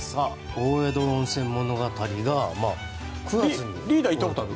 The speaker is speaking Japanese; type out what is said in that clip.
大江戸温泉物語が９月に閉館と。